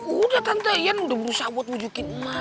udah tante iyan udah berusaha buat bujukin emak